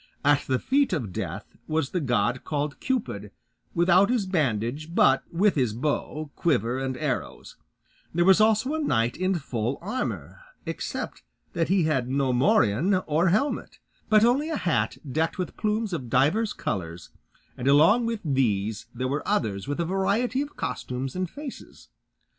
At the feet of Death was the god called Cupid, without his bandage, but with his bow, quiver, and arrows; there was also a knight in full armour, except that he had no morion or helmet, but only a hat decked with plumes of divers colours; and along with these there were others with a variety of costumes and faces.